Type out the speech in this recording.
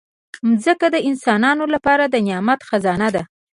مځکه د انسانانو لپاره د نعمت خزانه ده.